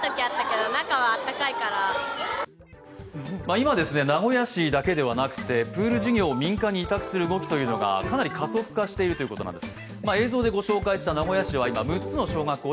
今、名古屋市だけではなくてプール授業を民間に委託する動きというのがかなり加速化しているということなんです。